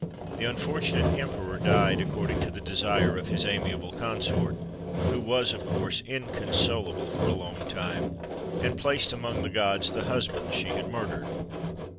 The unfortunate Emperor died according to the desire of his amiable consort, who was, of course, inconsolable for a long time, and placed among the gods the husband she had murdered.